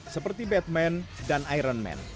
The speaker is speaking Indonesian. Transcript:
seperti batman dan iron man